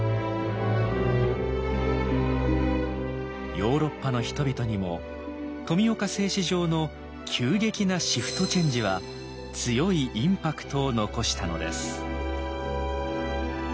ヨーロッパの人々にも富岡製糸場の急激なシフトチェンジは強いインパクトを残したのです。